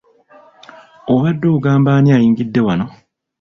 Obadde ogamba ani ayingidde wano?